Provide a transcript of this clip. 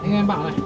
anh em bảo này